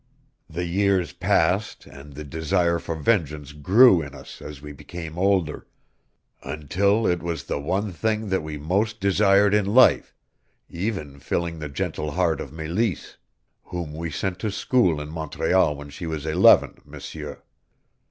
The years passed, and the desire for vengeance grew in us as we became older, until it was the one thing that we most desired in life, even filling the gentle heart of Meleese, whom we sent to school in Montreal when she was eleven, M'seur.